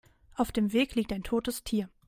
Auf dem Weg liegt ein totes Tier.